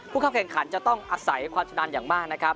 ผู้เข้าแข่งขันจะต้องอาศัยความชำนาญอย่างมากนะครับ